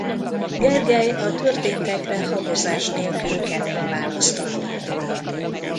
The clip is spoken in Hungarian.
Gergely a történtekre habozás nélkül kemény választ adott.